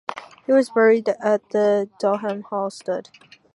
He was buried at the Dalham Hall Stud.